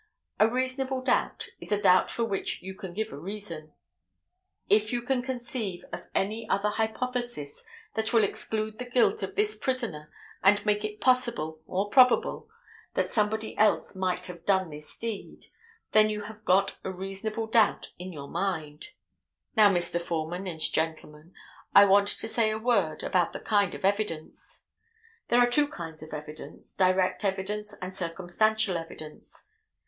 A reasonable doubt is a doubt for which you can give a reason. If you can conceive of any other hypothesis that will exclude the guilt of this prisoner and make it possible or probable that somebody else might have done this deed, then you have got a reasonable doubt in your mind. Now, Mr. Foreman and gentlemen, I want to say a word about the kind of evidence. There are two kinds of evidence, direct evidence and circumstantial evidence.